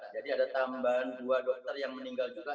jadi ada tambahan dua dokter yang meninggal juga